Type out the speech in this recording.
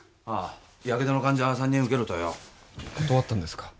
ヤケドの患者三人受けろとよ断ったんですか？